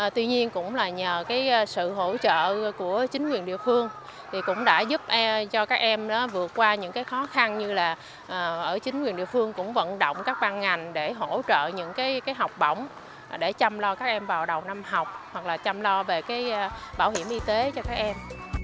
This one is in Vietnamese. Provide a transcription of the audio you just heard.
tuy nhiên cũng là nhờ cái sự hỗ trợ của chính quyền địa phương thì cũng đã giúp cho các em vượt qua những cái khó khăn như là ở chính quyền địa phương cũng vận động các ban ngành để hỗ trợ những cái học bổng để chăm lo các em vào đầu năm học hoặc là chăm lo về cái bảo hiểm y tế cho các em